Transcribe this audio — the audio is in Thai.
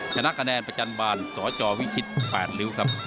ชนะกระแนนประจันบันสจวิคิษแปดลิ้วครับ